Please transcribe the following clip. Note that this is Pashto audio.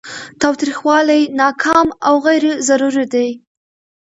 تاوتریخوالی ناکام او غیر ضروري دی.